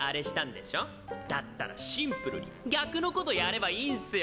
だったらシンプルに逆のことやればいいんスよ。